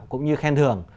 cũng như khen thưởng